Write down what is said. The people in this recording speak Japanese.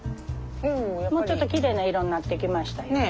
もうちょっときれいな色になってきましたよ。